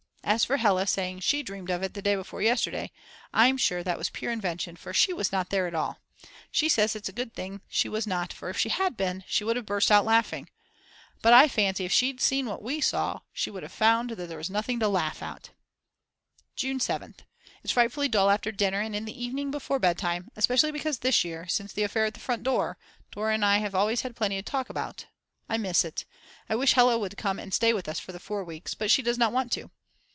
As for Hella saying she dreamed of it the day before yesterday, I'm sure that was pure invention, for she was not there at all. She says it's a good thing she was not for if she had been she would have burst out laughing. But I fancy if she'd seen what we saw she would have found there was nothing to laugh at. June 7th. It's frightfully dull after dinner and in the evening before bed time, especially because this year, since the affair at the front door, Dora and I have always had plenty to talk about. I miss it. I wish Hella would come and stay with us for the 4 weeks. But she does not want to.